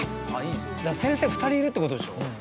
先生２人いるってことでしょ。